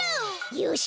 よし！